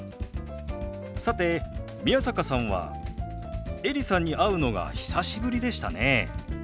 さて宮坂さんはエリさんに会うのが久しぶりでしたね。